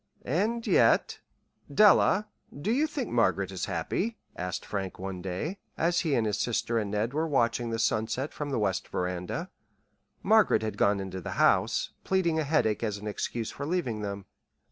And yet "Della, do you think Margaret is happy?" asked Frank one day, as he and his sister and Ned were watching the sunset from the west veranda. Margaret had gone into the house, pleading a headache as an excuse for leaving them.